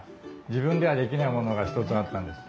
自分ではできないものが一つあったんです。